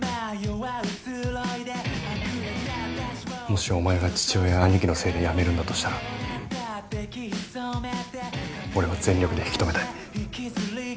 もしお前が父親や兄貴のせいで辞めるんだとしたら俺は全力で引き留めたい。